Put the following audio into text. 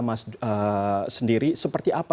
mas sendiri seperti apa